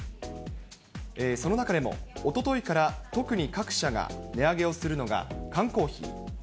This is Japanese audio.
その中でも、おとといから特に各社が値上げをするのが缶コーヒー。